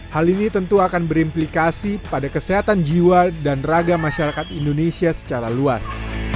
hal ini tentu akan berimplikasi pada kesehatan jiwa dan raga masyarakat indonesia secara luas